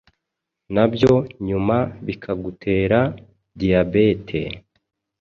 nabyo nyuma bikagutera Diyabete,